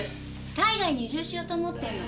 海外に移住しようと思ってるの。